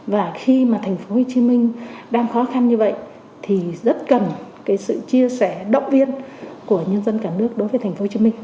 và khi mà tp hcm đang khó khăn như vậy thì rất cần cái sự chia sẻ động viên của nhân dân cả nước đối với tp hcm